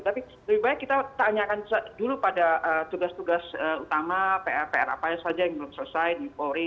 tapi lebih baik kita tanyakan dulu pada tugas tugas utama pr pr apa saja yang belum selesai di polri